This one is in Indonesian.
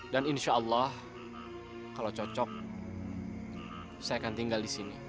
dan insya allah kalau cocok saya akan tinggal di sini